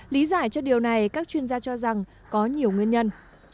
lý giải cho điều này các chuyên gia cho rằng có nhiều nguyên nhân